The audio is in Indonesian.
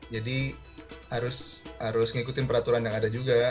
jadi harus ngikutin peraturan yang ada juga